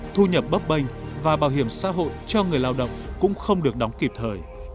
thu nhập bấp bênh và bảo hiểm xã hội cho người lao động cũng không được đóng kịp thời